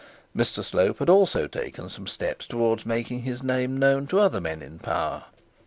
Mr Slope had also taken some steps towards making his name known to other men in power.